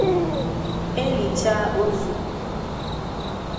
E lichaa ozu